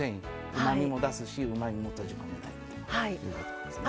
うまみも出すしうまみも閉じ込めないということですね。